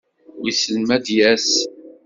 Wissen ma ad d-yas.